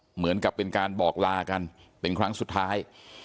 เหมือนกับเป็นการบอกลากันเป็นครั้งสุดท้าย